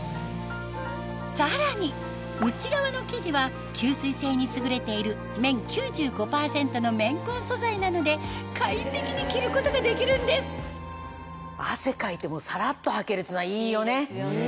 さらに内側の生地は吸水性に優れている綿９５％の綿混素材なので快適に着ることができるんですっていうのはいいよね一番いい。